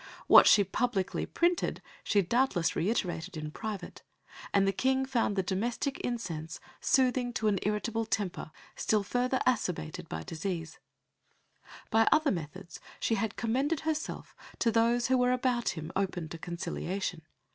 What she publicly printed she doubtless reiterated in private; and the King found the domestic incense soothing to an irritable temper, still further acerbated by disease. By other methods she had commended herself to those who were about him open to conciliation.